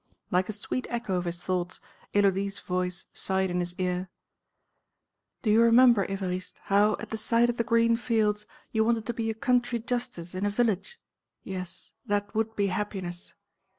Like a sweet echo of his thoughts, Élodie's voice sighed in his ear: "Do you remember, Évariste, how, at sight of the green fields, you wanted to be a country justice in a village? Yes, that would be happiness."